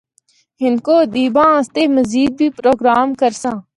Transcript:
ہندکو ادیباں آسطے مزید بھی پروگرام کرساں۔